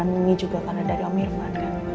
akar dari denam ini juga karena dari om irvan kan